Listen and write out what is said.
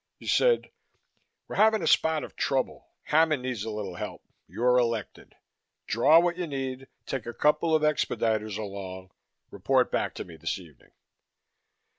He said, "We're having a spot of trouble. Hammond needs a little help; you're elected. Draw what you need, take a couple of expediters along, report back to me this evening."